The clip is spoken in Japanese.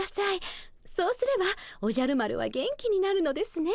そうすればおじゃる丸は元気になるのですね。